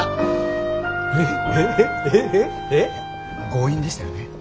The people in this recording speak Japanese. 強引でしたよね？